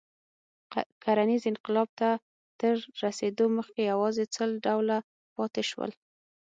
کرنیز انقلاب ته تر رسېدو مخکې یواځې سل ډوله پاتې شول.